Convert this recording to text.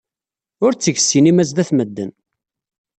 Ur tteg ssinima sdat medden.